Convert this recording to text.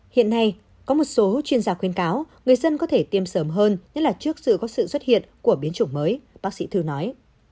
hiện nay có một số chuyên gia khuyên cáo người dân có thể tiêm sớm hơn nhất là trước sự có sự xuất hiện của biến chủng mới bác sĩ thư nói